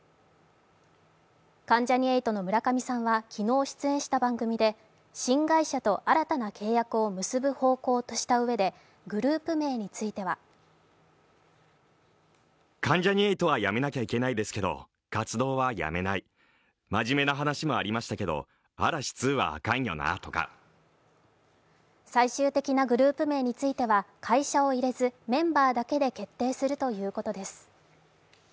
関ジャニ∞の村上さんは昨日出演した番組で新会社と新たな契約を結ぶ方向としたうえで、グループ名については最終的なグループ名については会社を入れずメンバーだけで決定するということです。